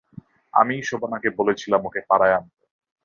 আমিই শোবানাকে বলেছিলাম ওকে পড়ায় আনতে।